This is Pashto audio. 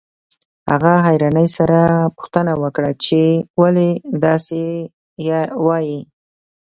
هغې حيرانۍ سره پوښتنه وکړه چې ولې داسې وايئ.